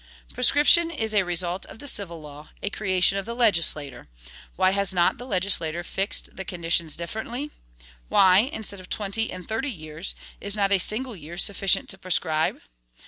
Prescription is a result of the civil law, a creation of the legislator. Why has not the legislator fixed the conditions differently? why, instead of twenty and thirty years, is not a single year sufficient to prescribe?